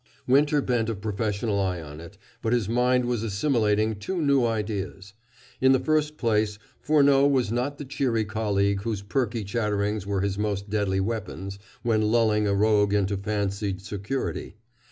Winter bent a professional eye on it, but his mind was assimilating two new ideas. In the first place, Furneaux was not the cheery colleague whose perky chatterings were his most deadly weapons when lulling a rogue into fancied security.